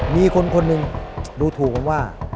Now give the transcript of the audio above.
มีคนหนึ่งดูถูกว่า